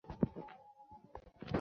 রাজপথ যেন রক্তে ভেসে যায়।